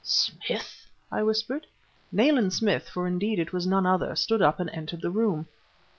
"Smith!" I whispered. Nayland Smith for indeed it was none other stood up and entered the room.